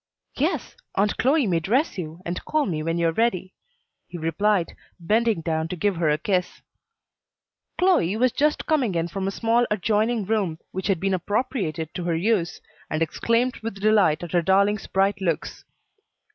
"Yes; Aunt Chloe may dress you, and call me when you are ready," he replied, bending down to give her a kiss. Chloe was just coming in from a small adjoining room which had been appropriated to her use, and exclaimed with delight at her darling's bright looks.